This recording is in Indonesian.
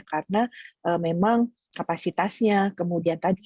karena memang kapasitasnya kemudian tadi